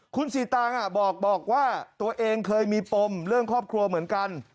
คุณสีตางบอกว่าตัวเองเคยมีปมเรื่องครอบครัวเหมือนกัน